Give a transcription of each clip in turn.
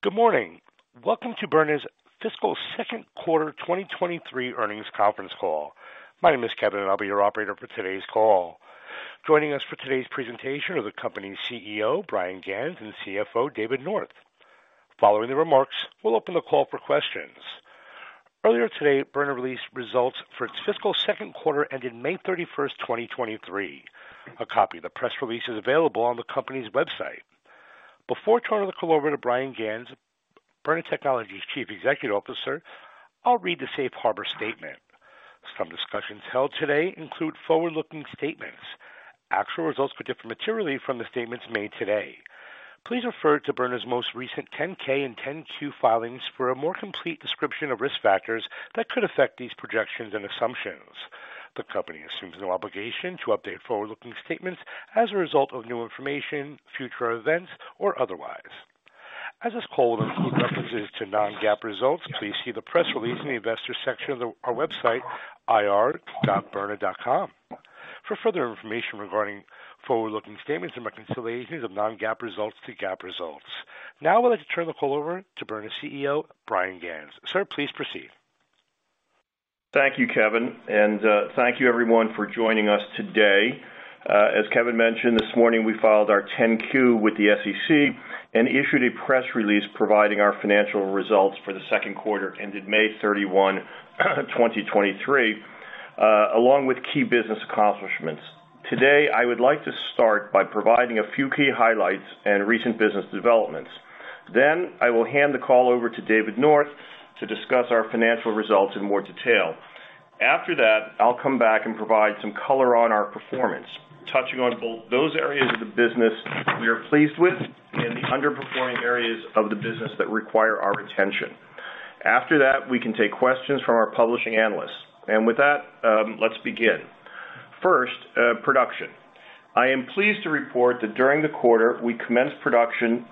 Good morning. Welcome to Byrna's Fiscal Second Quarter 2023 Earnings Conference Call. My name is Kevin, I'll be your operator for today's call. Joining us for today's presentation are the company's CEO, Bryan Ganz, and CFO, David North. Following the remarks, we'll open the call for questions. Earlier today, Byrna released results for its Fiscal Second Quarter, ending May 31st, 2023. A copy of the press release is available on the company's website. Before turning the call over to Bryan Ganz, Byrna Technologies' Chief Executive Officer, I'll read the safe harbor statement. Some discussions held today include forward-looking statements. Actual results could differ materially from the statements made today. Please refer to Byrna's most recent 10-K and 10-Q filings for a more complete description of risk factors that could affect these projections and assumptions. The company assumes no obligation to update forward-looking statements as a result of new information, future events, or otherwise. As this call includes references to non-GAAP results, please see the press release in the Investor section of our website, ir.byrna.com for further information regarding forward-looking statements and reconciliations of non-GAAP results to GAAP results. I'd like to turn the call over to Byrna's CEO, Bryan Ganz. Sir, please proceed. Thank you, Kevin, and thank you everyone for joining us today. As Kevin mentioned, this morning, we filed our 10-Q with the SEC and issued a press release providing our financial results for the second quarter, ended May 31, 2023, along with key business accomplishments. Today, I would like to start by providing a few key highlights and recent business developments. I will hand the call over to David North to discuss our financial results in more detail. After that, I'll come back and provide some color on our performance, touching on both those areas of the business we are pleased with and the underperforming areas of the business that require our attention. After that, we can take questions from our publishing analysts, with that, let's begin. First, production. I am pleased to report that during the quarter, we commenced production,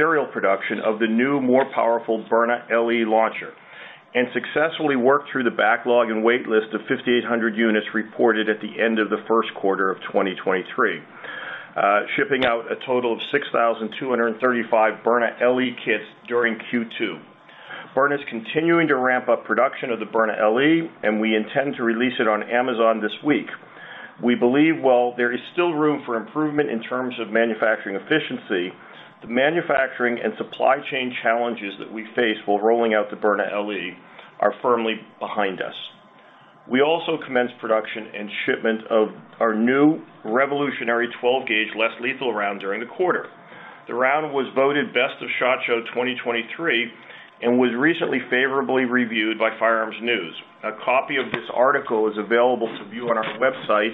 serial production of the new, more powerful Byrna LE launcher, and successfully worked through the backlog and wait list of 5,800 units reported at the end of the first quarter of 2023. Shipping out a total of 6,235 Byrna LE Kits during Q2. Byrna is continuing to ramp up production of the Byrna LE, and we intend to release it on Amazon this week. We believe while there is still room for improvement in terms of manufacturing efficiency, the manufacturing and supply chain challenges that we face while rolling out the Byrna LE are firmly behind us. We also commenced production and shipment of our new revolutionary 12-Gauge Less-Lethal Round during the quarter. The round was voted BEST OF SHOT Show 2023, and was recently favorably reviewed by Firearms News. A copy of this article is available to view on our website,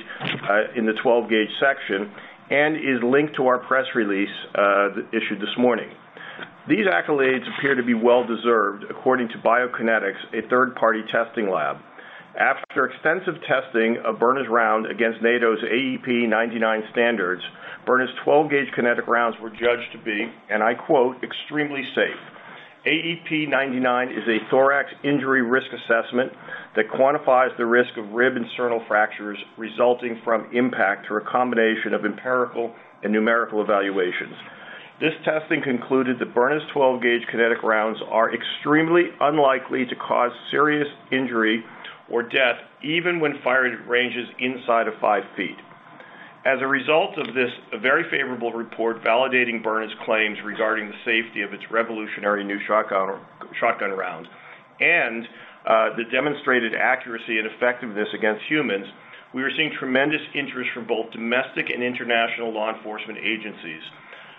in the 12-gauge section, and is linked to our press release issued this morning. These accolades appear to be well-deserved, according to Biokinetics, a third-party testing lab. After extensive testing of Byrna's round against NATO's AEP-99 standards, Byrna's 12-gauge kinetic rounds were judged to be, and I quote, "extremely safe." AEP-99 is a Thorax Injury Risk Assessment that quantifies the risk of rib and sternal fractures resulting from impact through a combination of empirical and numerical evaluations. This testing concluded that Byrna's 12-gauge kinetic rounds are extremely unlikely to cause serious injury or death, even when fired at ranges inside of 5ft. As a result of this, a very favorable report validating Byrna's claims regarding the safety of its revolutionary new shotgun or shotgun round, and the demonstrated accuracy and effectiveness against humans, we are seeing tremendous interest from both domestic and international law enforcement agencies.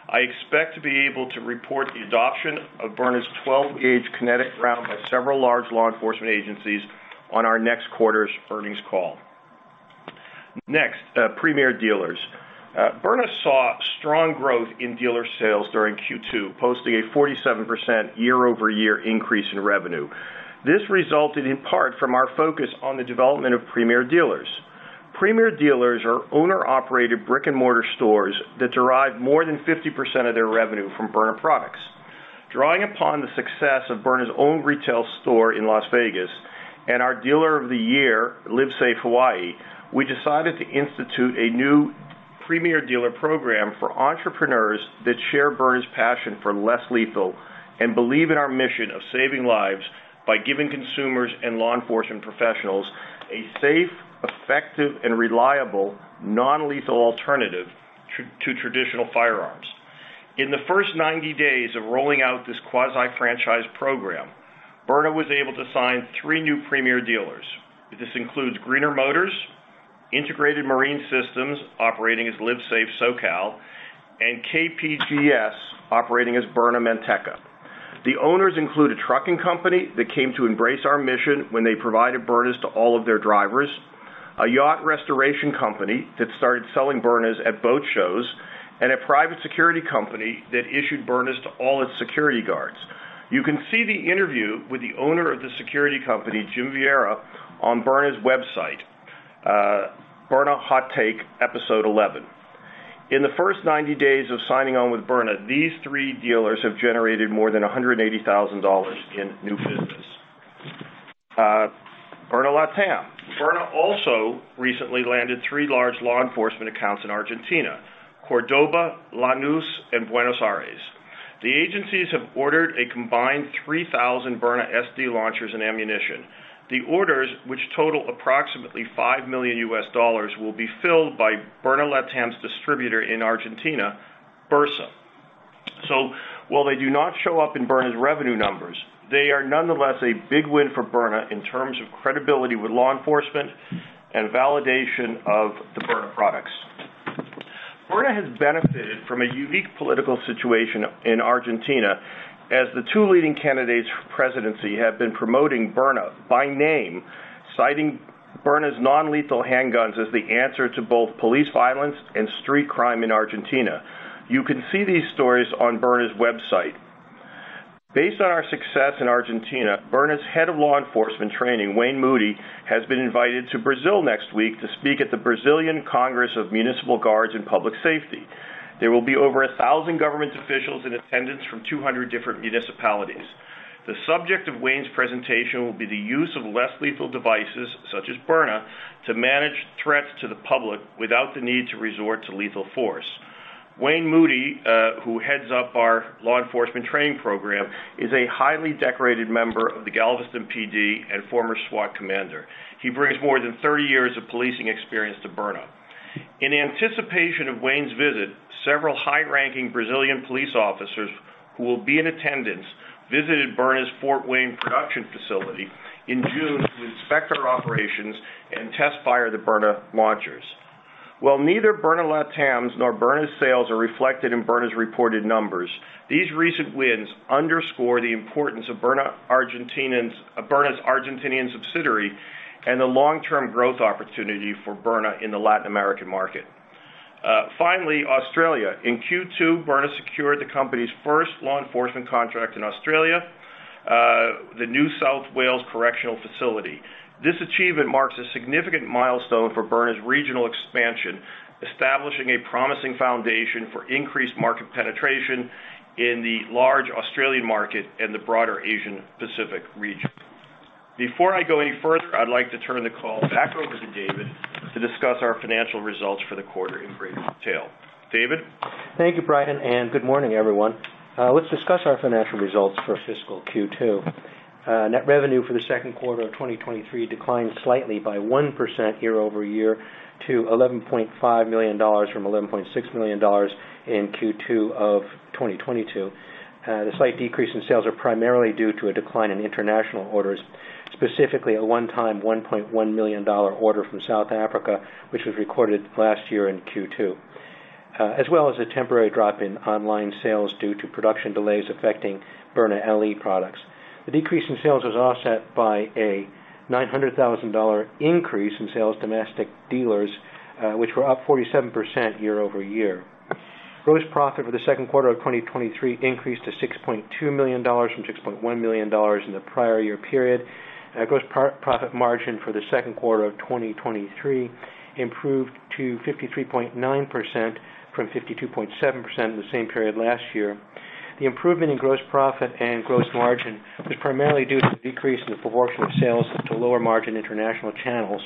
I expect to be able to report the adoption of Byrna's 12-gauge kinetic round by several large law enforcement agencies on our next quarter's earnings call. Next, Premier Dealers. Byrna saw strong growth in dealer sales during Q2, posting a 47% year-over-year increase in revenue. This resulted in part from our focus on the development of Premier Dealers. Premier Dealers are owner-operated brick-and-mortar stores that derive more than 50% of their revenue from Byrna products. Drawing upon the success of Byrna's own retail store in Las Vegas and our dealer of the year, Live Safe Hawaii, we decided to institute a new Premier Dealer program for entrepreneurs that share Byrna's passion for Less-Lethal, and believe in our mission of saving lives by giving consumers and law enforcement professionals a safe, effective, and reliable non-lethal alternative to traditional firearms. In the first 90 days of rolling out this quasi-franchise program, Byrna was able to sign three new Premier Dealers. This includes Greener Motors, Integrated Marine Systems, operating as Live Safe SoCal, and KPGS, operating as Byrna Manteca. The owners include a trucking company that came to embrace our mission when they provided Byrnas to all of their drivers, a yacht restoration company that started selling Byrnas at boat shows, and a private security company that issued Byrnas to all its security guards. You can see the interview with the owner of the security company, Jim Vierra, on Byrna's website, Byrna Hot Take, Episode 11. In the first 90 days of signing on with Byrna, these three dealers have generated more than $180,000 in new business. Byrna LATAM. Byrna also recently landed three large law enforcement accounts in Argentina, Cordoba, Lanús, and Buenos Aires. The agencies have ordered a combined 3,000 Byrna SD launchers and ammunition. The orders, which total approximately $5 million, will be filled by Byrna LATAM's distributor in Argentina, Bersa. While they do not show up in Byrna's revenue numbers, they are nonetheless a big win for Byrna in terms of credibility with law enforcement and validation of the Byrna products. Byrna has benefited from a unique political situation in Argentina, as the two leading candidates for presidency have been promoting Byrna by name, citing Byrna's non-lethal handguns as the answer to both police violence and street crime in Argentina. You can see these stories on Byrna's website. Based on our success in Argentina, Byrna's Head of Law Enforcement Training, Wayne Moody, has been invited to Brazil next week to speak at the Brazilian Congress of Municipal Guards and Public Safety. There will be over 1,000 government officials in attendance from 200 different municipalities. The subject of Wayne's presentation will be the use of Less-Lethal devices, such as Byrna, to manage threats to the public without the need to resort to lethal force. Wayne Moody, who heads up our law enforcement training program, is a highly decorated member of the Galveston PD and former SWAT Commander. He brings more than 30 years of policing experience to Byrna. In anticipation of Wayne's visit, several high-ranking Brazilian police officers, who will be in attendance, visited Byrna's Fort Wayne production facility in June to inspect our operations and test-fire the Byrna launchers. While neither Byrna LATAM nor Byrna's sales are reflected in Byrna's reported numbers, these recent wins underscore the importance of Byrna's Argentinian subsidiary, and the long-term growth opportunity for Byrna in the Latin American market. Finally, Australia. In Q2, Byrna secured the company's first law enforcement contract in Australia, the New South Wales Correctional Centre. This achievement marks a significant milestone for Byrna's regional expansion, establishing a promising foundation for increased market penetration in the large Australian market and the broader Asia-Pacific region. Before I go any further, I'd like to turn the call back over to David to discuss our financial results for the quarter in greater detail. David? Thank you, Bryan, and good morning, everyone. Let's discuss our financial results for fiscal Q2. Net revenue for the second quarter of 2023 declined slightly by 1% year-over-year to $11.5 million from $11.6 million in Q2 of 2022. The slight decrease in sales are primarily due to a decline in international orders, specifically a one-time $1.1 million order from South Africa, which was recorded last year in Q2, as well as a temporary drop in online sales due to production delays affecting Byrna LE products. The decrease in sales was offset by a $900,000 increase in sales to domestic dealers, which were up 47% year-over-year. Gross profit for the second quarter of 2023 increased to $6.2 million from $6.1 million in the prior year period. Gross profit margin for the second quarter of 2023 improved to 53.9% from 52.7% in the same period last year. The improvement in gross profit and gross margin was primarily due to the decrease in the proportion of sales to lower-margin international channels.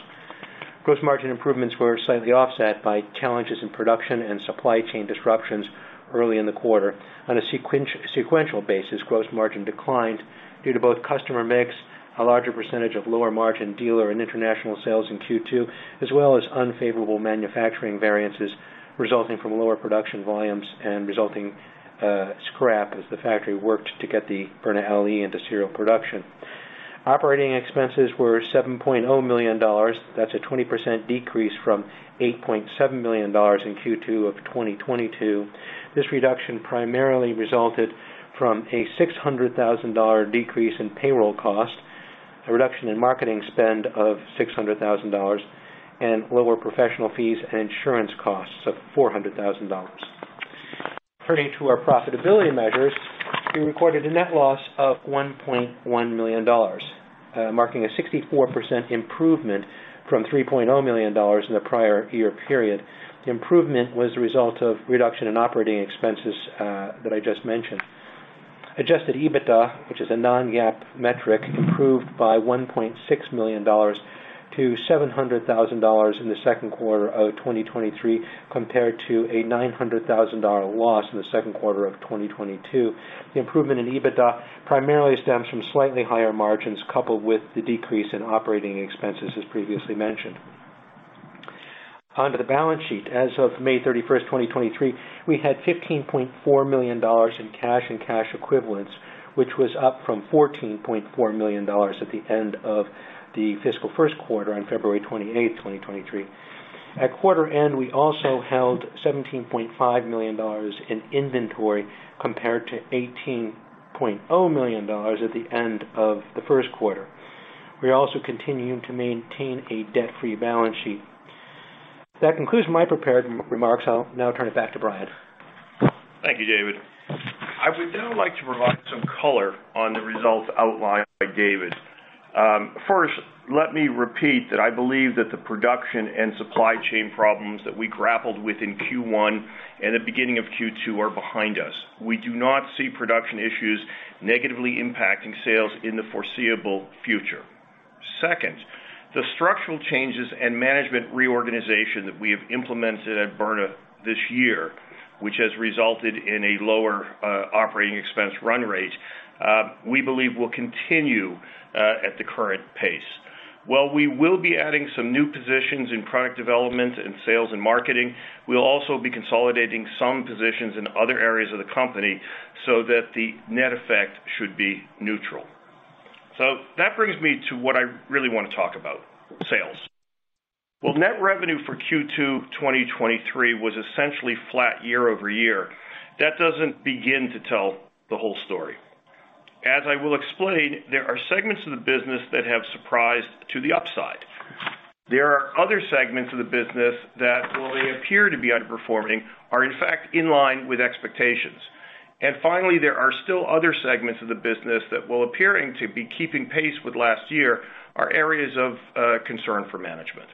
Gross margin improvements were slightly offset by challenges in production and supply chain disruptions early in the quarter. On a sequential basis, gross margin declined due to both customer mix, a larger percentage of lower-margin dealer and international sales in Q2, as well as unfavorable manufacturing variances resulting from lower production volumes and resulting scrap as the factory worked to get the Byrna LE into serial production. Operating expenses were $7.0 million. That's a 20% decrease from $8.7 million in Q2 of 2022. This reduction primarily resulted from a $600,000 decrease in payroll cost, a reduction in marketing spend of $600,000, and lower professional fees and insurance costs of $400,000. Turning to our profitability measures, we recorded a net loss of $1.1 million, marking a 64% improvement from $3.0 million in the prior year period. The improvement was a result of reduction in operating expenses that I just mentioned. Adjusted EBITDA, which is a non-GAAP metric, improved by $1.6 million-$700,000 in the second quarter of 2023, compared to a $900,000 loss in the second quarter of 2022. The improvement in EBITDA primarily stems from slightly higher margins, coupled with the decrease in operating expenses, as previously mentioned. Onto the balance sheet. As of May 31st, 2023, we had $15.4 million in cash-and-cash equivalents, which was up from $14.4 million at the end of the fiscal first quarter on February 28, 2023. At quarter end, we also held $17.5 million in inventory, compared to $18.0 million at the end of the first quarter. We are also continuing to maintain a debt-free balance sheet. That concludes my prepared remarks. I'll now turn it back to Bryan. Thank you, David. I would now like to provide some color on the results outlined by David. First, let me repeat that I believe that the production and supply chain problems that we grappled with in Q1 and the beginning of Q2 are behind us. We do not see production issues negatively impacting sales in the foreseeable future. Second, the structural changes and management reorganization that we have implemented at Byrna this year, which has resulted in a lower operating expense run rate, we believe will continue at the current pace. While we will be adding some new positions in product development and sales and marketing, we'll also be consolidating some positions in other areas of the company so that the net effect should be neutral. That brings me to what I really want to talk about, sales. While net revenue for Q2, 2023 was essentially flat year-over-year, that doesn't begin to tell the whole story. As I will explain, there are segments of the business that have surprised to the upside. There are other segments of the business that, while they appear to be underperforming, are, in fact, in line with expectations. Finally, there are still other segments of the business that, while appearing to be keeping pace with last year, are areas of concern for management.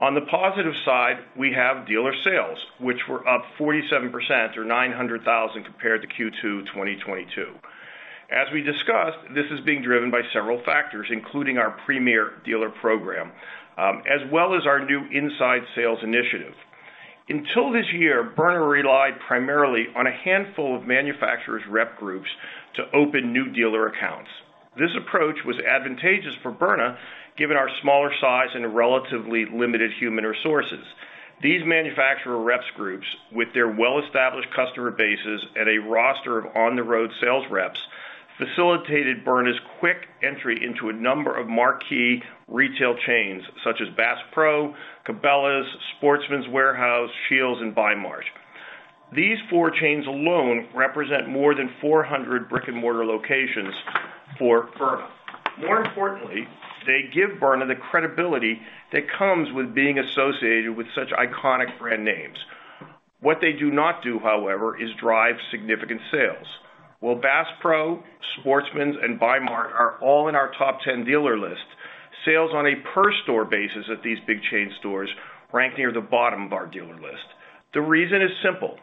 On the positive side, we have dealer sales, which were up 47% or $900,000 compared to Q2, 2022. As we discussed, this is being driven by several factors, including our Premier Dealer program, as well as our new inside sales initiative. Until this year, Byrna relied primarily on a handful of manufacturers rep groups to open new dealer accounts. This approach was advantageous for Byrna, given our smaller size and relatively limited human resources. These manufacturer reps groups, with their well-established customer bases and a roster of on-the-road sales reps, facilitated Byrna's quick entry into a number of marquee retail chains such as Bass Pro, Cabela's, Sportsman's Warehouse, Scheels, and Bi-Mart. These four chains alone represent more than 400 brick-and-mortar locations for Byrna. More importantly, they give Byrna the credibility that comes with being associated with such iconic brand names. What they do not do, however, is drive significant sales. While Bass Pro, Sportsman's, and Bi-Mart are all in our top 10 dealer list, sales on a per store basis at these big chain stores rank near the bottom of our dealer list. The reason is simple,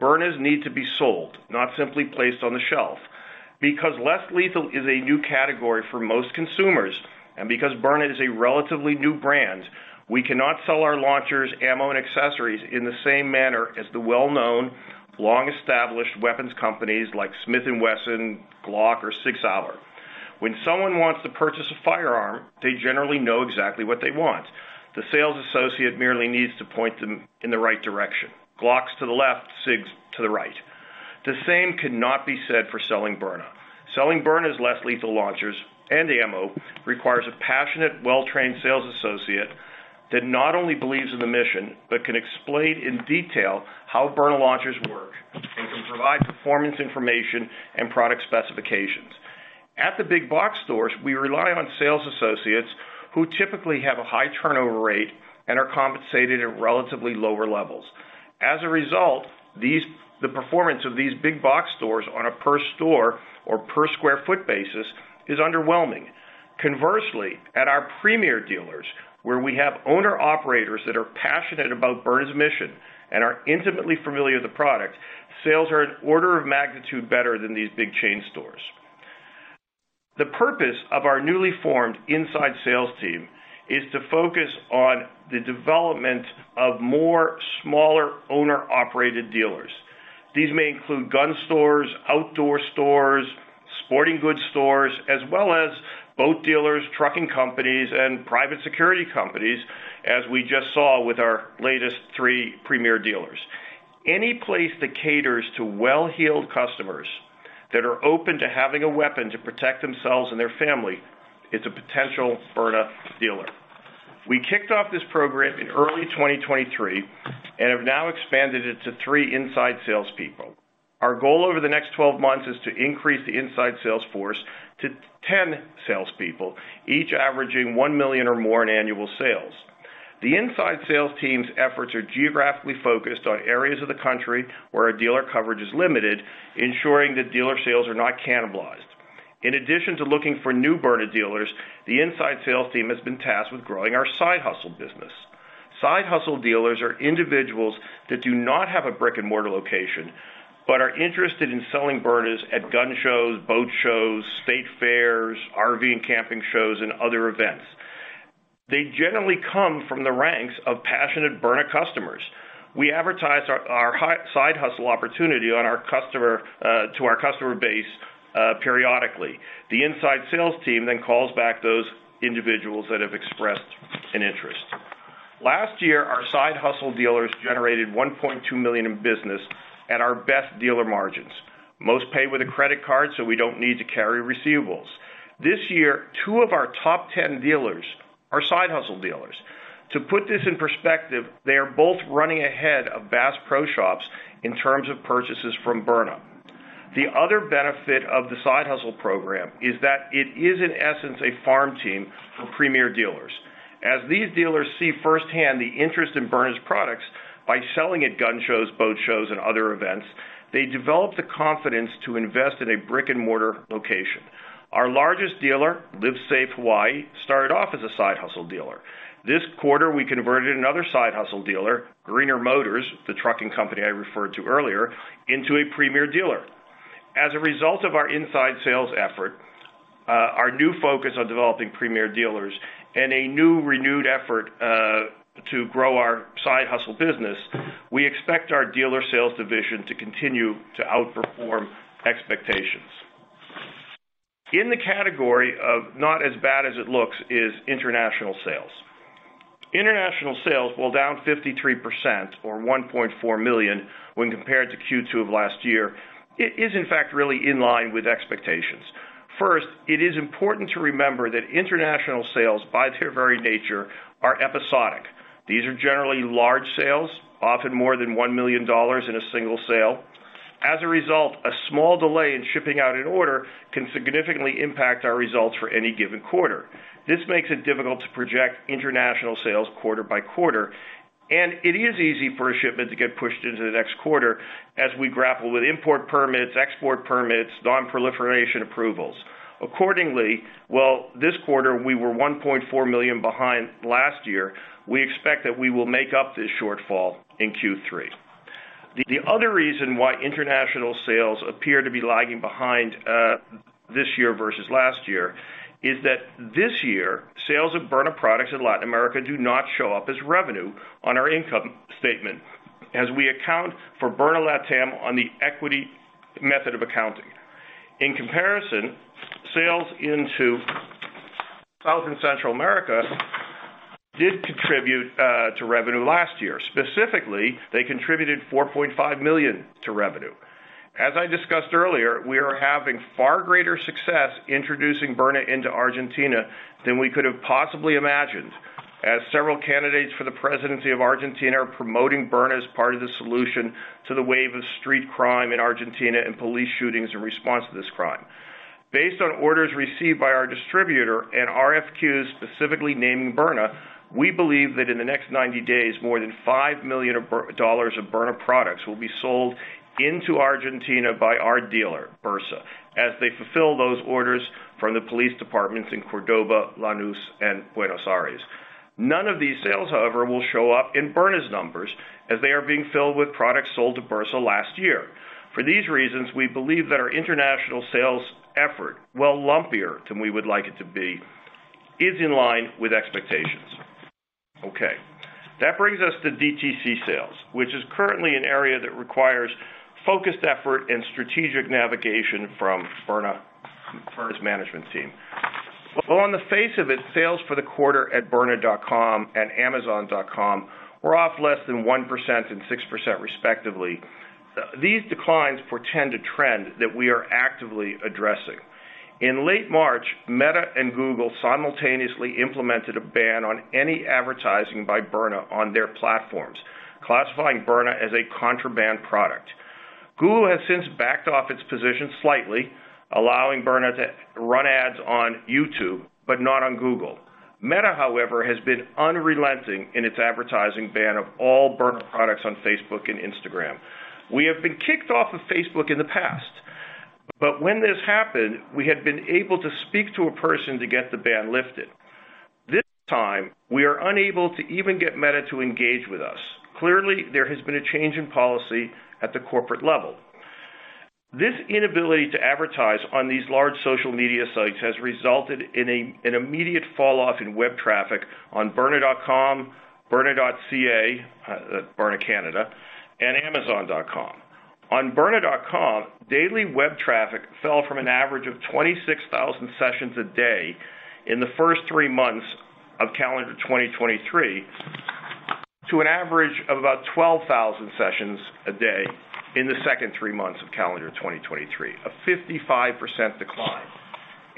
Byrnas need to be sold, not simply placed on the shelf. Because Less-Lethal is a new category for most consumers, and because Byrna is a relatively new brand, we cannot sell our launchers, ammo, and accessories in the same manner as the well-known, long-established weapons companies like Smith & Wesson, GLOCK, or SIG SAUER. When someone wants to purchase a firearm, they generally know exactly what they want. The sales associate merely needs to point them in the right direction. GLOCKs to the left, SIGs to the right. The same cannot be said for selling Byrna. Selling Byrna's Less-Lethal Launchers and Ammo requires a passionate, well-trained sales associate that not only believes in the mission, but can explain in detail how Byrna launchers work, and can provide performance information and product specifications. At the big box stores, we rely on sales associates who typically have a high turnover rate and are compensated at relatively lower levels. The performance of these big box stores on a per store or per square foot basis is underwhelming. At our Premier Dealers, where we have owner-operators that are passionate about Byrna's mission and are intimately familiar with the product, sales are an order of magnitude better than these big chain stores. The purpose of our newly formed inside sales team is to focus on the development of more smaller owner-operated dealers. These may include gun stores, outdoor stores, sporting goods stores, as well as boat dealers, trucking companies, and private security companies, as we just saw with our latest three Premier Dealers. Any place that caters to well-heeled customers that are open to having a weapon to protect themselves and their family, it's a potential Byrna dealer. We kicked off this program in early 2023 and have now expanded it to three inside salespeople. Our goal over the next 12 months is to increase the inside sales force to 10 salespeople, each averaging $1 million or more in annual sales. The inside sales team's efforts are geographically focused on areas of the country where our dealer coverage is limited, ensuring that dealer sales are not cannibalized. In addition to looking for new Byrna dealers, the inside sales team has been tasked with growing our side hustle business. Side hustle dealers are individuals that do not have a brick-and-mortar location, but are interested in selling Byrnas at gun shows, boat shows, state fairs, RV and camping shows, and other events. They generally come from the ranks of passionate Byrna customers. We advertise our side hustle opportunity on our customer to our customer base periodically. The inside sales team calls back those individuals that have expressed an interest. Last year, our side hustle dealers generated $1.2 million in business at our best dealer margins. Most pay with a credit card, we don't need to carry receivables. This year, two of our top 10 dealers are side hustle dealers. To put this in perspective, they are both running ahead of Bass Pro Shops in terms of purchases from Byrna. The other benefit of the side hustle program is that it is, in essence, a farm team for Premier Dealers. As these dealers see firsthand the interest in Byrna's products by selling at gun shows, boat shows, and other events, they develop the confidence to invest in a brick-and-mortar location. Our largest dealer, Live Safe Hawaii, started off as a side hustle dealer. This quarter, we converted another side hustle dealer, Greener Motors, the trucking company I referred to earlier, into a premier dealer. Our inside sales effort, our new focus on developing Premier Dealers and a new renewed effort to grow our side hustle business, we expect our dealer sales division to continue to outperform expectations. In the category of not as bad as it looks, is international sales. International sales, while down 53% or $1.4 million when compared to Q2 of last year, it is, in fact, really in line with expectations. It is important to remember that international sales, by their very nature, are episodic. These are generally large sales, often more than $1 million in a single sale. A small delay in shipping out an order can significantly impact our results for any given quarter. This makes it difficult to project international sales quarter-by-quarter, and it is easy for a shipment to get pushed into the next quarter as we grapple with import permits, export permits, non-proliferation approvals. While this quarter we were $1.4 million behind last year, we expect that we will make up this shortfall in Q3. The other reason why international sales appear to be lagging behind this year versus last year, is that this year, sales of Byrna products in Latin America do not show up as revenue on our income statement, as we account for Byrna LATAM on the equity method of accounting. Sales into South and Central America did contribute to revenue last year. They contributed $4.5 million to revenue. As I discussed earlier, we are having far greater success introducing Byrna into Argentina than we could have possibly imagined, as several candidates for the presidency of Argentina are promoting Byrna as part of the solution to the wave of street crime in Argentina and police shootings in response to this crime. Based on orders received by our distributor and RFQs, specifically naming Byrna, we believe that in the next 90 days, more than $5 million of Byrna products will be sold into Argentina by our dealer, Byrna, as they fulfill those orders from the police departments in Córdoba, Lanús, and Buenos Aires. None of these sales, however, will show up in Byrna's numbers as they are being filled with products sold to Byrna last year. For these reasons, we believe that our international sales effort, while lumpier than we would like it to be, is in line with expectations. That brings us to DTC sales, which is currently an area that requires focused effort and strategic navigation from Byrna's management team. On the face of it, sales for the quarter at byrna.com and amazon.com were off less than 1% and 6% respectively. These declines portend a trend that we are actively addressing. In late March, Meta and Google simultaneously implemented a ban on any advertising by Byrna on their platforms, classifying Byrna as a contraband product. Google has since backed off its position slightly, allowing Byrna to run ads on YouTube, but not on Google. Meta, however, has been unrelenting in its advertising ban of all Byrna products on Facebook and Instagram. We have been kicked off of Facebook in the past, when this happened, we had been able to speak to a person to get the ban lifted. This time, we are unable to even get Meta to engage with us. Clearly, there has been a change in policy at the corporate level. This inability to advertise on these large social media sites has resulted in an immediate falloff in web traffic on byrna.com, byrna.ca, Byrna Canada, and amazon.com. On byrna.com, daily web traffic fell from an average of 26,000 sessions a day in the first three months of calendar 2023, to an average of about 12,000 sessions a day in the second three months of calendar 2023, a 55% decline.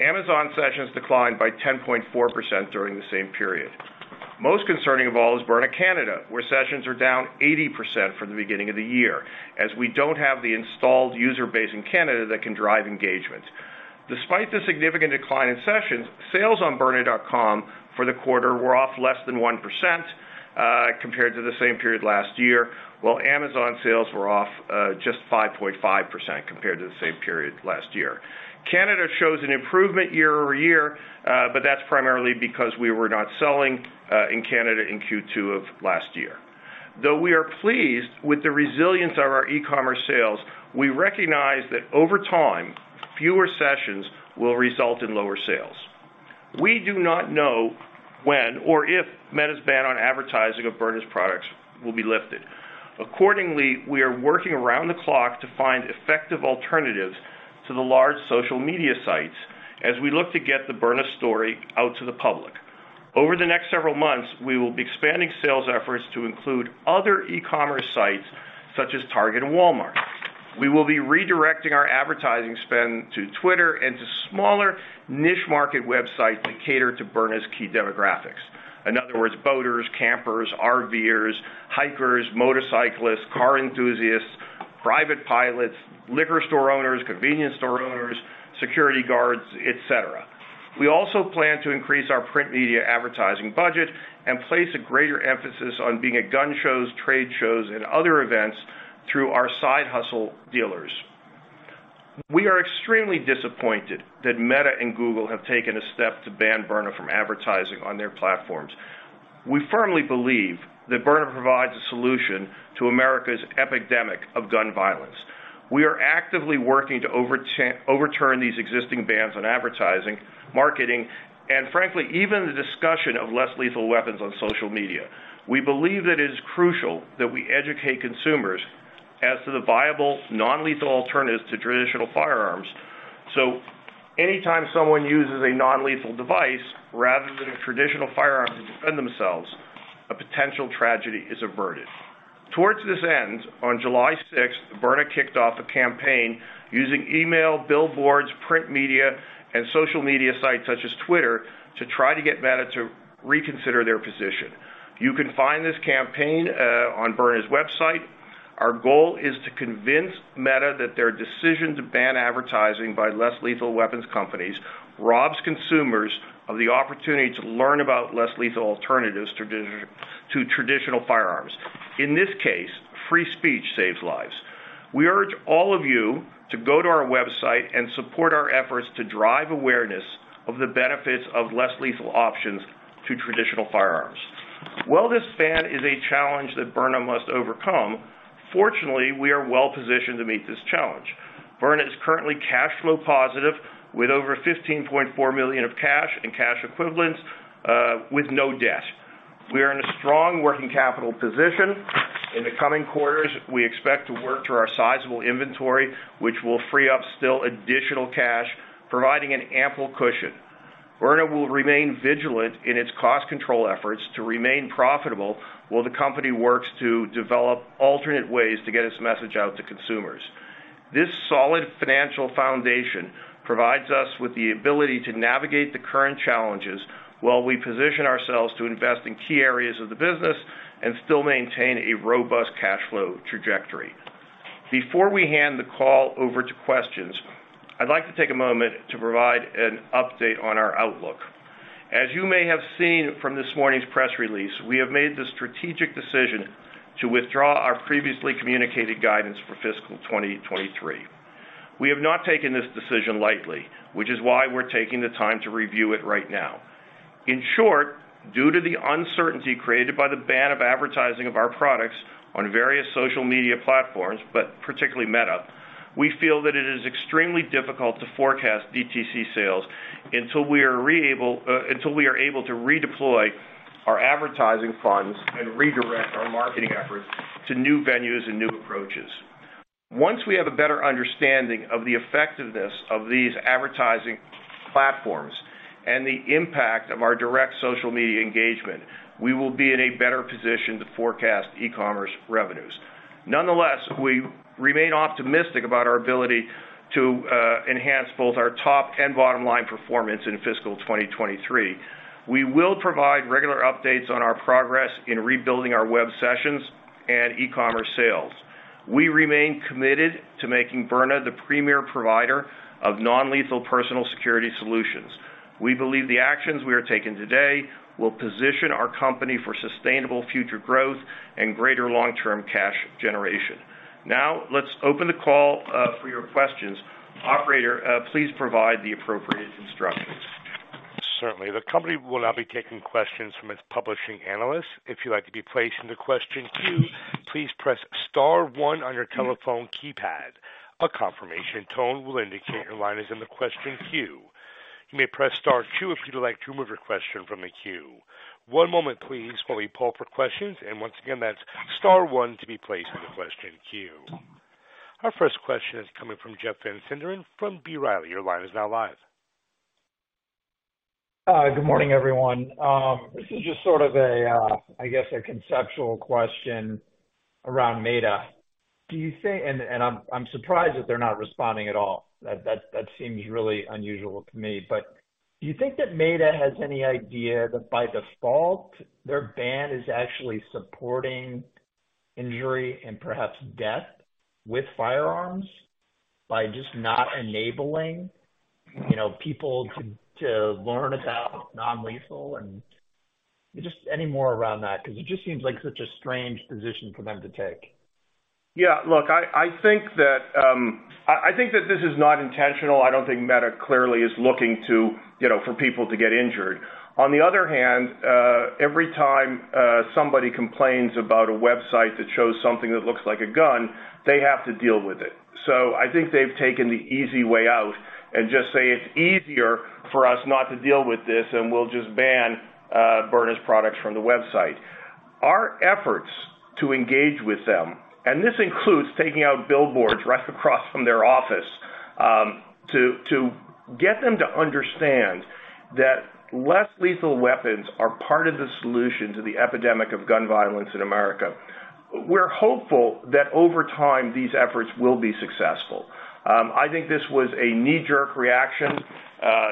Amazon sessions declined by 10.4% during the same period. Most concerning of all is Byrna Canada, where sessions are down 80% from the beginning of the year, as we don't have the installed user base in Canada that can drive engagement. Despite the significant decline in sessions, sales on byrna.com for the quarter were off less than 1% compared to the same period last year, while Amazon sales were off just 5.5% compared to the same period last year. Canada shows an improvement year-over-year, that's primarily because we were not selling in Canada in Q2 of last year. We are pleased with the resilience of our e-commerce sales, we recognize that over time, fewer sessions will result in lower sales. We do not know when or if Meta's ban on advertising of Byrna's products will be lifted. We are working around the clock to find effective alternatives to the large social media sites as we look to get the Byrna story out to the public. Over the next several months, we will be expanding sales efforts to include other e-commerce sites such as Target and Walmart. We will be redirecting our advertising spend to Twitter and to smaller niche market websites that cater to Byrna's key demographics. In other words, boaters, campers, RVers, hikers, motorcyclists, car enthusiasts, private pilots, liquor store owners, convenience store owners, security guards, et cetera. We also plan to increase our print media advertising budget and place a greater emphasis on being at gun shows, trade shows, and other events through our side hustle dealers. We are extremely disappointed that Meta and Google have taken a step to ban Byrna from advertising on their platforms. We firmly believe that Byrna provides a solution to America's epidemic of gun violence. We are actively working to overturn these existing bans on advertising, marketing, and frankly, even the discussion of less lethal weapons on social media. We believe that it is crucial that we educate consumers as to the viable, non-lethal alternatives to traditional firearms. Anytime someone uses a non-lethal device rather than a traditional firearm to defend themselves, a potential tragedy is averted. Towards this end, on July 6, Byrna kicked off a campaign using email, billboards, print media, and social media sites such as Twitter, to try to get Meta to reconsider their position. You can find this campaign on Byrna's website. Our goal is to convince Meta that their decision to ban advertising by less lethal weapons companies robs consumers of the opportunity to learn about less lethal alternatives to traditional firearms. In this case, free speech saves lives. We urge all of you to go to our website and support our efforts to drive awareness of the benefits of less lethal options to traditional firearms. While this ban is a challenge that Byrna must overcome, fortunately, we are well positioned to meet this challenge. Byrna is currently cash flow positive, with over $15.4 million of cash and cash equivalents, with no debt. We are in a strong working capital position. In the coming quarters, we expect to work through our sizable inventory, which will free up still additional cash, providing an ample cushion. Byrna will remain vigilant in its cost control efforts to remain profitable while the company works to develop alternate ways to get its message out to consumers. This solid financial foundation provides us with the ability to navigate the current challenges while we position ourselves to invest in key areas of the business and still maintain a robust cash flow trajectory. Before we hand the call over to questions, I'd like to take a moment to provide an update on our outlook. As you may have seen from this morning's press release, we have made the strategic decision to withdraw our previously communicated guidance for fiscal 2023. We have not taken this decision lightly, which is why we're taking the time to review it right now. In short, due to the uncertainty created by the ban of advertising of our products on various social media platforms, but particularly Meta, we feel that it is extremely difficult to forecast DTC sales until we are re-able until we are able to redeploy our advertising funds and redirect our marketing efforts to new venues and new approaches. Once we have a better understanding of the effectiveness of these advertising platforms and the impact of our direct social media engagement, we will be in a better position to forecast e-commerce revenues. Nonetheless, we remain optimistic about our ability to enhance both our top and bottom line performance in fiscal 2023. We will provide regular updates on our progress in rebuilding our web sessions and e-commerce sales. We remain committed to making Byrna the premier provider of non-lethal personal security solutions. We believe the actions we are taking today will position our company for sustainable future growth and greater long-term cash generation. Let's open the call for your questions. Operator, please provide the appropriate instructions. Certainly. The company will now be taking questions from its publishing analysts. If you'd like to be placed in the question queue, please press star one on your telephone keypad. A confirmation tone will indicate your line is in the question queue. You may press star two if you'd like to remove your question from the queue. One moment, please, while we pull for questions, and once again, that's star one to be placed in the question queue. Our first question is coming from Jeff Van Sinderen from B. Riley. Your line is now live. Good morning, everyone. This is just sort of a, I guess, a conceptual question around Meta. I'm surprised that they're not responding at all. That seems really unusual to me. Do you think that Meta has any idea that by default, their ban is actually supporting injury and perhaps death with firearms by just not enabling, you know, people to learn about non-lethal? Just any more around that, because it just seems like such a strange position for them to take. Yeah, look, I think that this is not intentional. I don't think Meta clearly is looking to, you know, for people to get injured. On the other hand, every time somebody complains about a website that shows something that looks like a gun, they have to deal with it. I think they've taken the easy way out and just say, "It's easier for us not to deal with this, and we'll just ban Byrna's products from the website." Our efforts to engage with them, and this includes taking out billboards right across from their office, to get them to understand that Less-Lethal weapons are part of the solution to the epidemic of gun violence in America. We're hopeful that over time, these efforts will be successful. I think this was a knee-jerk reaction.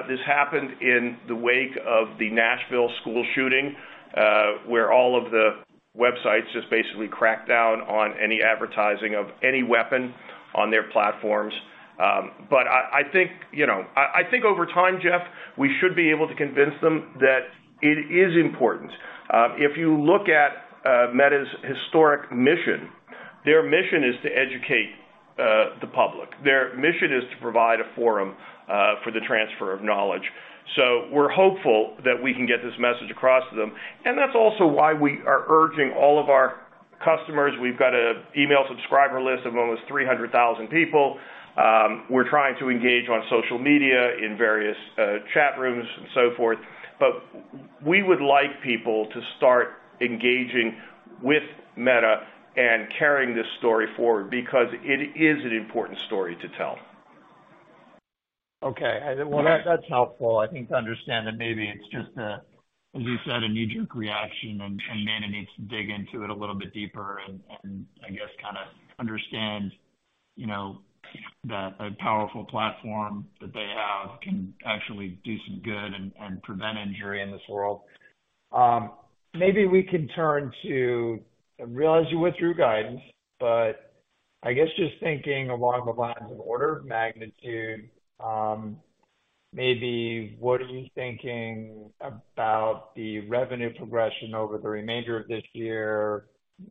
This happened in the wake of the Nashville School Shooting, where all of the websites just basically cracked down on any advertising of any weapon on their platforms. I think, you know, I think over time, Jeff, we should be able to convince them that it is important. If you look at Meta's historic mission. Their mission is to educate the public. Their mission is to provide a forum for the transfer of knowledge. We're hopeful that we can get this message across to them, and that's also why we are urging all of our customers. We've got an email subscriber list of almost 300,000 people. We're trying to engage on social media, in various chat rooms and so forth. We would like people to start engaging with Meta and carrying this story forward, because it is an important story to tell. Okay. Well, that's helpful, I think, to understand that maybe it's just a, as you said, a knee-jerk reaction, and Meta needs to dig into it a little bit deeper and I guess kinda understand, you know, that a powerful platform that they have can actually do some good and prevent injury in this world. Maybe we can turn to I realize you withdrew guidance, but I guess just thinking along the lines of order of magnitude, maybe what are you thinking about the revenue progression over the remainder of this year?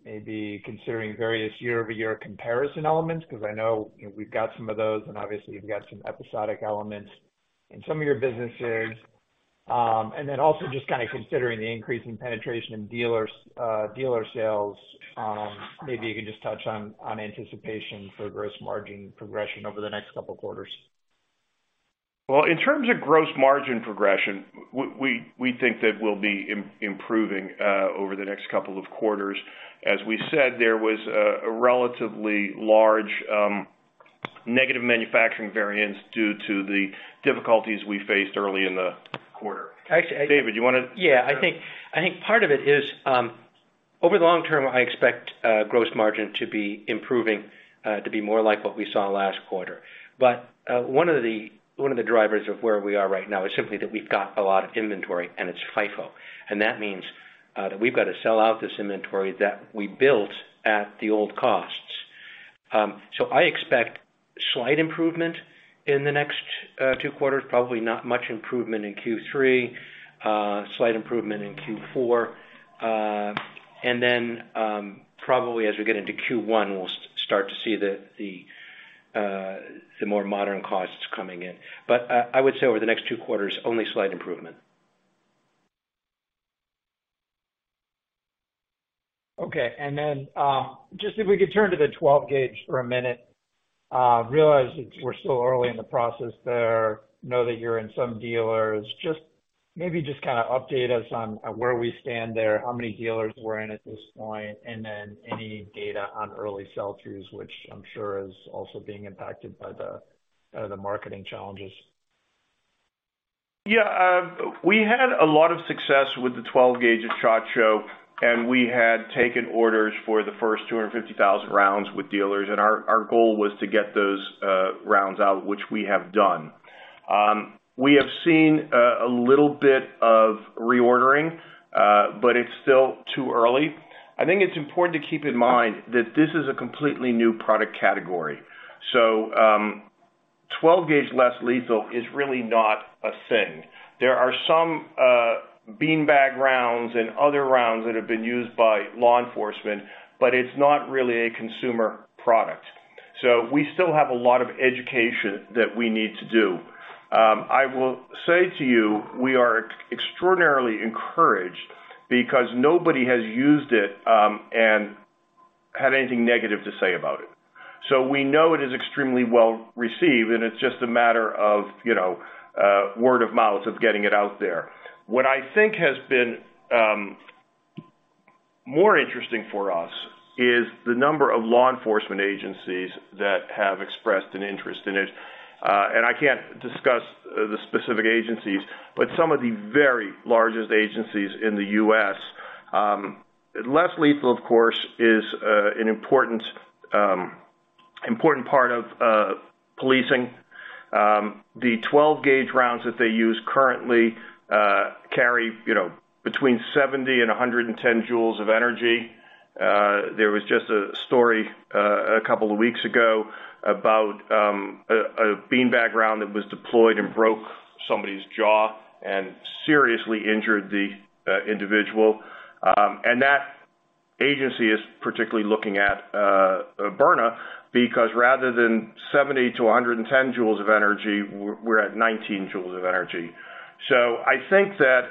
Maybe considering various year-over-year comparison elements, 'cause I know, you know, we've got some of those, and obviously you've got some episodic elements in some of your businesses. Also just kind of considering the increase in penetration in dealers, dealer sales, maybe you can just touch on anticipation for gross margin progression over the next couple of quarters. In terms of gross margin progression, we think that we'll be improving over the next couple of quarters. As we said, there was a relatively large negative manufacturing variance due to the difficulties we faced early in the quarter. Actually. David, do you want to? Yeah, I think, I think part of it is, over the long term, I expect gross margin to be improving, to be more like what we saw last quarter. One of the drivers of where we are right now is simply that we've got a lot of inventory, and it's FIFO. That means that we've got to sell out this inventory that we built at the old costs. I expect slight improvement in the next two quarters. Probably not much improvement in Q3, slight improvement in Q4. Then, probably as we get into Q1, we'll start to see the more modern costs coming in. I would say over the next two quarters, only slight improvement. Okay. Just if we could turn to the 12-gauge for a minute. Realize we're still early in the process there, know that you're in some dealers. Maybe just kind of update us on where we stand there, how many dealers we're in at this point, and then any data on early sell-throughs, which I'm sure is also being impacted by the marketing challenges. Yeah, we had a lot of success with the 12-gauge at SHOT Show, and we had taken orders for the first 250,000 rounds with dealers, and our goal was to get those rounds out, which we have done. We have seen a little bit of reordering, but it's still too early. I think it's important to keep in mind that this is a completely new product category, 12-Gauge Less-Lethal is really not a thing. There are some beanbag rounds and other rounds that have been used by law enforcement, but it's not really a consumer product. We still have a lot of education that we need to do. I will say to you, we are extraordinarily encouraged because nobody has used it, and had anything negative to say about it. We know it is extremely well received, and it's just a matter of, you know, word of mouth, of getting it out there. What I think has been more interesting for us is the number of law enforcement agencies that have expressed an interest in it. I can't discuss the specific agencies, but some of the very largest agencies in the U.S. Less-Lethal, of course, is an important part of policing. The 12-gauge rounds that they use currently, carry, you know, between 70 and 110 joules of energy. There was just a story a couple of weeks ago about a beanbag round that was deployed and broke somebody's jaw and seriously injured the individual. That agency is particularly looking at Byrna, because rather than 70-110 joules of energy, we're at 19 joules of energy. I think that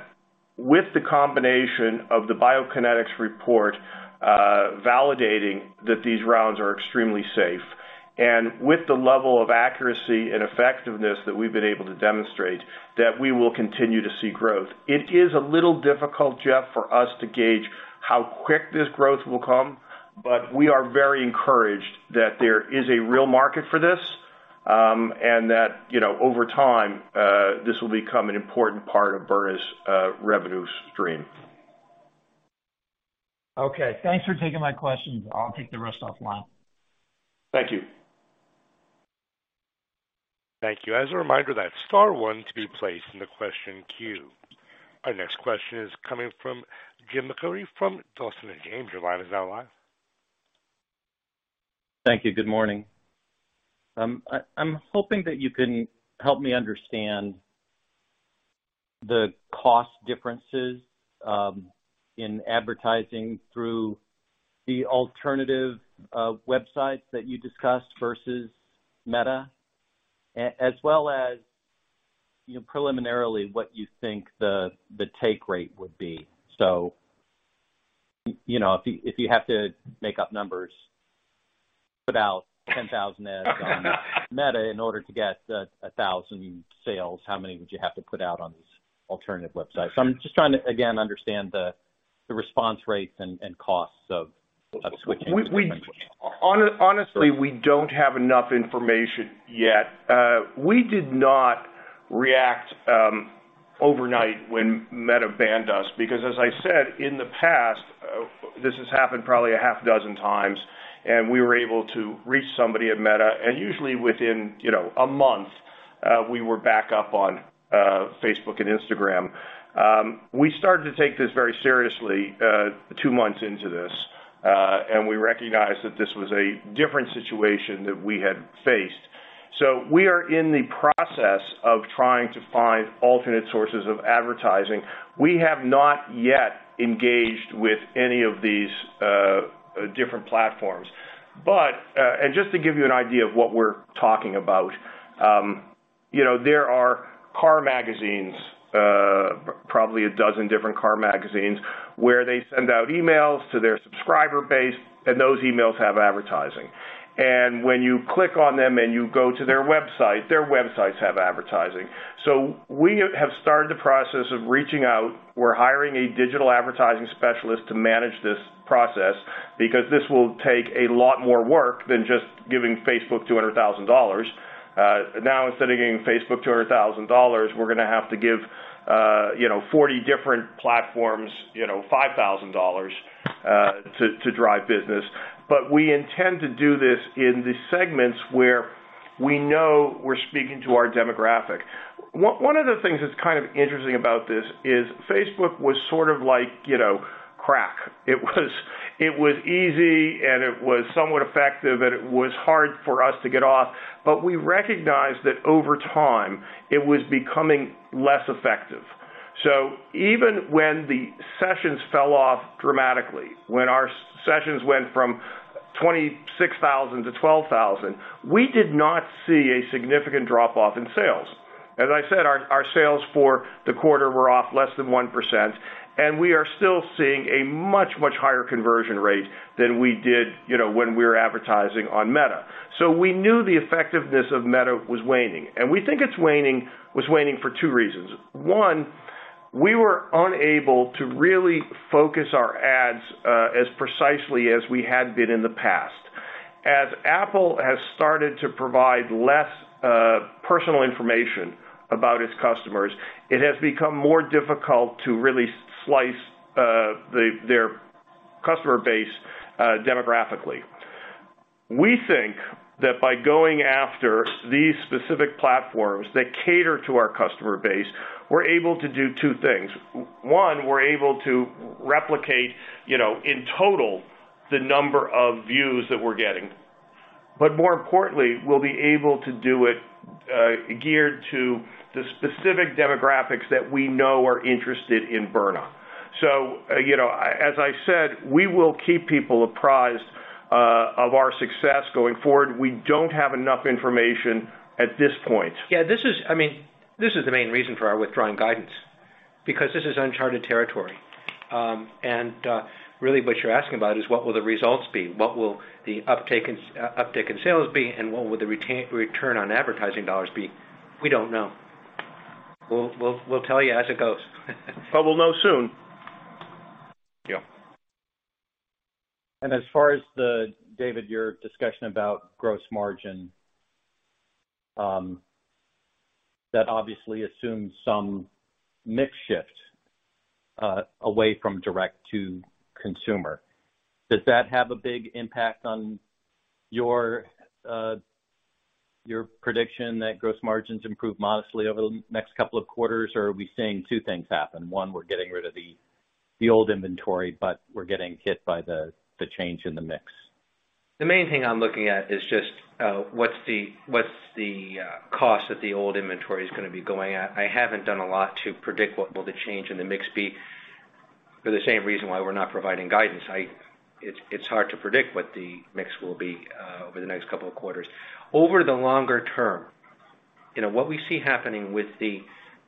with the combination of the Biokinetics report, validating that these rounds are extremely safe, and with the level of accuracy and effectiveness that we've been able to demonstrate, that we will continue to see growth. It is a little difficult, Jeff, for us to gauge how quick this growth will come, but we are very encouraged that there is a real market for this, and that, you know, over time, this will become an important part of Byrna's revenue stream. Okay, thanks for taking my questions. I'll take the rest off the line. Thank you. Thank you. As a reminder, that's star one to be placed in the question queue. Our next question is coming from Jim McIlree from Dawson James. Your line is now live. Thank you. Good morning. I'm hoping that you can help me understand the cost differences in advertising through the alternative websites that you discussed versus Meta, as well as, you know, preliminarily, what you think the take rate would be. You know, if you have to make up numbers, put out 10,000 ads on Meta in order to get 1,000 sales, how many would you have to put out on these alternative websites? I'm just trying to, again, understand the response rates and costs of switching. Honestly, we don't have enough information yet. We did not react overnight when Meta banned us, because as I said, in the past, this has happened probably a half dozen times, and we were able to reach somebody at Meta, and usually within, you know, a month, we were back up on Facebook and Instagram. We started to take this very seriously, two months into this, and we recognized that this was a different situation than we had faced. We are in the process of trying to find alternate sources of advertising. We have not yet engaged with any of these different platforms. Just to give you an idea of what we're talking about, you know, there are car magazines, probably a dozen different car magazines, where they send out emails to their subscriber base, and those emails have advertising. When you click on them and you go to their website, their websites have advertising. We have started the process of reaching out. We're hiring a digital advertising specialist to manage this process because this will take a lot more work than just giving Facebook $200,000. Now, instead of giving Facebook $200,000, we're gonna have to give, you know, 40 different platforms, you know, $5,000 to drive business. We intend to do this in the segments where we know we're speaking to our demographic. One of the things that's kind of interesting about this is Facebook was sort of like, you know, crack. It was easy, and it was somewhat effective, and it was hard for us to get off, but we recognized that over time, it was becoming less effective. Even when the sessions fell off dramatically, when our sessions went from 26,000-12,000, we did not see a significant drop-off in sales. As I said, our sales for the quarter were off less than 1%, and we are still seeing a much, much higher conversion rate than we did, you know, when we were advertising on Meta. We knew the effectiveness of Meta was waning, and we think it was waning for two reasons. One, we were unable to really focus our ads as precisely as we had been in the past. As Apple has started to provide less personal information about its customers, it has become more difficult to really slice their customer base demographically. We think that by going after these specific platforms that cater to our customer base, we're able to do two things. One, we're able to replicate, you know, in total, the number of views that we're getting, but more importantly, we'll be able to do it geared to the specific demographics that we know are interested in Byrna. You know, as I said, we will keep people apprised of our success going forward. We don't have enough information at this point. Yeah, this is, I mean, this is the main reason for our withdrawing guidance, because this is uncharted territory. Really, what you're asking about is what will the results be? What will the uptake in uptick in sales be, and what will the return on advertising dollars be? We don't know. We'll tell you as it goes. We'll know soon. Yeah. As far as the, David, your discussion about gross margin, that obviously assumes some mix shift away from direct to consumer. Does that have a big impact on your prediction that gross margins improve modestly over the next couple of quarters, or are we seeing two things happen? One, we're getting rid of the old inventory, but we're getting hit by the change in the mix. The main thing I'm looking at is just, what's the cost of the old inventory is gonna be going at. I haven't done a lot to predict what will the change in the mix be for the same reason why we're not providing guidance. It's hard to predict what the mix will be over the next couple of quarters. Over the longer term, you know, what we see happening with the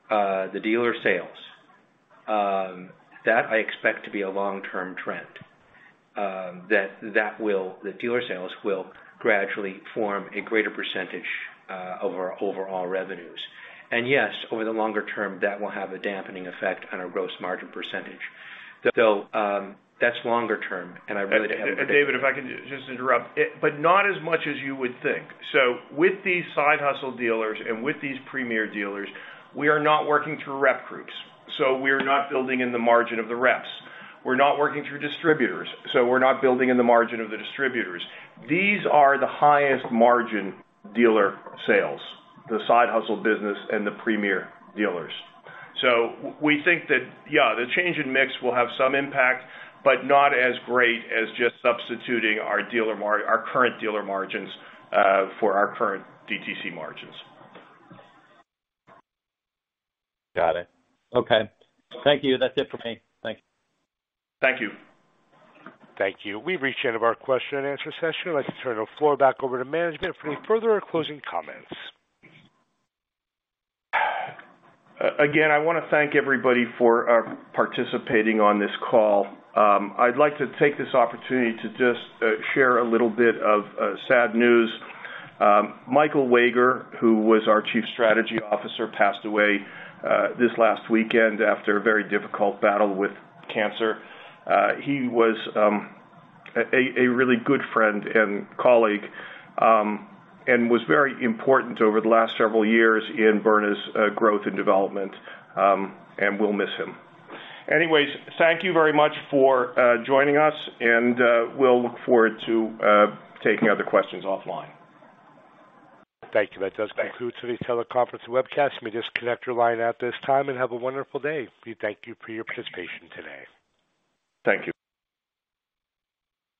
dealer sales, that I expect to be a long-term trend, that the dealer sales will gradually form a greater percentage of our overall revenues. Yes, over the longer term, that will have a dampening effect on our gross margin percentage. That's longer term, and I really haven't. David, if I can just interrupt. Not as much as you would think. With these side hustle dealers and with these Premier Dealers, we are not working through rep groups, we are not building in the margin of the reps. We're not working through distributors, we're not building in the margin of the distributors. These are the highest margin dealer sales, the side hustle business and the Premier Dealers. We think that, yeah, the change in mix will have some impact, but not as great as just substituting our current dealer margins for our current DTC margins. Got it. Okay. Thank you. That's it for me. Thank you. Thank you. Thank you. We've reached the end of our question-and-answer session. I'd like to turn the floor back over to management for any further or closing comments. Again, I want to thank everybody for participating on this call. I'd like to take this opportunity to just share a little bit of sad news. Michael Wager, who was our Chief Strategy Officer, passed away this last weekend after a very difficult battle with cancer. He was a really good friend and colleague and was very important over the last several years in Byrna's growth and development, and we'll miss him. Anyways, thank you very much for joining us, and we'll look forward to taking other questions offline. Thank you. That does conclude today's teleconference and webcast. You may disconnect your line at this time and have a wonderful day. We thank you for your participation today. Thank you.